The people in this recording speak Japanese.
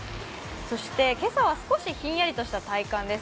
そして今朝は少しひんやりとした体感です。